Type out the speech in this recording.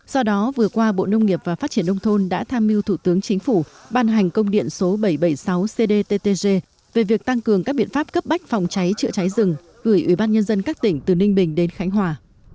do đó vừa qua bộ nông nghiệp và phát triển nông thôn đã tham mưu thủ tướng chính phủ ban hành công điện số bảy trăm bảy mươi sáu cdttg về việc tăng cường các biện pháp cấp bách phòng cháy chữa cháy rừng gửi ủy ban nhân dân các tỉnh từ ninh bình đến khánh hòa